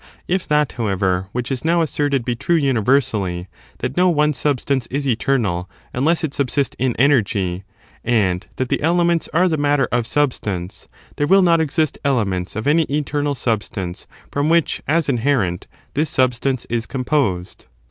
^ If that, however, which is now asserted be true universally, that no one substance is eternal unless it subsist in energy,^ and that the elements are the matter of sub stance, there will not exist elements of any eternal substance from which, as inherent, this substance is composed.